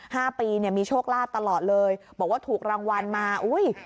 ห้าปีเนี่ยมีโชคลาภตลอดเลยบอกว่าถูกรางวัลมาอุ้ย